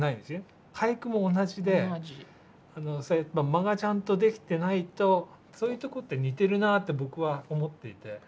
間がちゃんとできてないとそういうとこって似てるなって僕は思っていて。